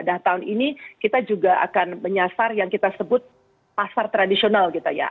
nah tahun ini kita juga akan menyasar yang kita sebut pasar tradisional gitu ya